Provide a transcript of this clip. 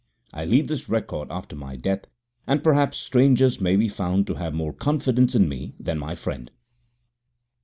I leave this record after my death, and perhaps strangers may be found to have more confidence in me than my friend."